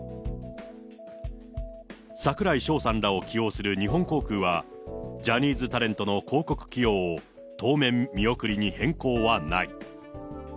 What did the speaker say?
櫻井翔さんらを起用する日本航空は、ジャニーズタレントの広告起用を当面見送りに変更はない。